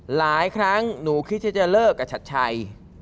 หลายครั้งหนูคิดที่จะเลิกกับชัดชัย